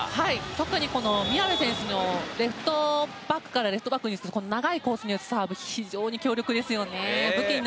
特に宮部選手のレフトバックからの長いコースに打つサーブ非常に強力ですよね。